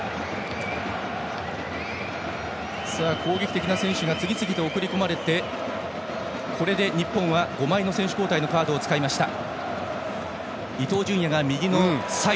攻撃的な選手が次々と送り込まれて日本は５枚の選手交代のカードを使いました。